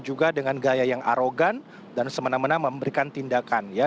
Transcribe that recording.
juga dengan gaya yang arogan dan semena mena memberikan tindakan ya